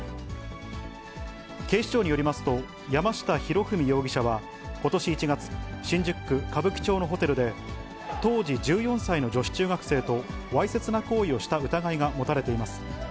警視庁によりますと、山下裕史容疑者は、ことし１月、新宿区歌舞伎町のホテルで、当時１４歳の女子中学生とわいせつな行為をした疑いが持たれています。